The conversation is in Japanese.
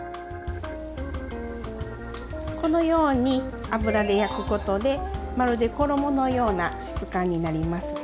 このように油で焼くことでまるで衣のような質感になります。